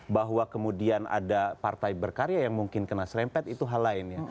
bahwa kemudian ada partai berkarya yang mungkin kena serempet itu hal lain ya